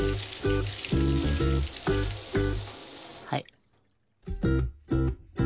はい。